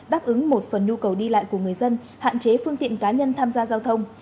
đáp ứng một phần nhu cầu đi lại của người dân hạn chế phương tiện cá nhân tham gia giao thông